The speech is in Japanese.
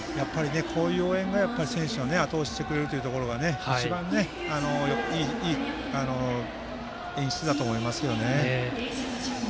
こういう応援が選手をあと押ししてくれるというところが一番いい演出だと思いますよね。